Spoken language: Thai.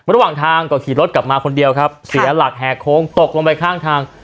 ระหว่างทางก็ขี่รถกลับมาคนเดียวครับเสียหลักแห่โค้งตกลงไปข้างทาง